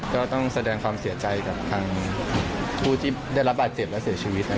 ก็ต้องแสดงความเสียใจแบบที่ได้รับอาจเจ็บและเสียชีวิต